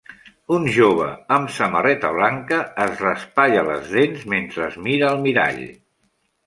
Un jove amb samarreta blanca es raspalla les dents mentre es mira al mirall.